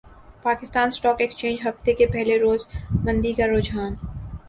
Pakistan stock exchange ہفتے کے پہلے روز مندی کا رحجان